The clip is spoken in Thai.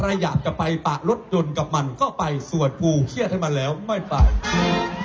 ใครอยากจะไปปะรถยนต์กับมันก็ไปสวดปูเครียดให้มันแล้วไม่ไปถูก